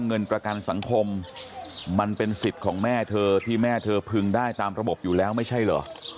เงินประกันสังคมมันเป็นสิทธิ์ของแม่เธอที่แม่เธอพึงได้ตามระบบอยู่แล้วไม่ใช่เหรอ